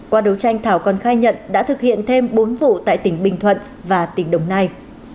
qua đấu tranh thảo còn khai nhận đã thực hiện thêm bốn vụ tại tỉnh bình thuận và tỉnh đồng nai